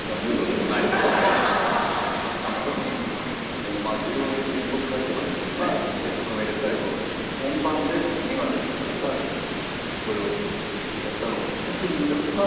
でもまあ１４年ぶりに僕帰って参りましてね特命で最後本番で２話でしたけどもそれをやったのを久しぶりに見たんですよ